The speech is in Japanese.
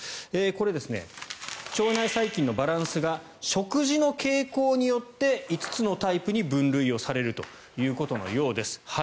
これ、腸内細菌のバランスが食事の傾向によって５つのタイプに分類されるということのようです。